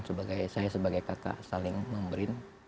saya sebagai kakak saling memberi